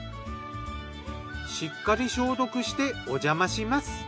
しっかり消毒しておじゃまします。